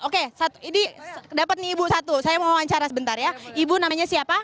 oke ini dapat nih ibu satu saya mau wawancara sebentar ya ibu namanya siapa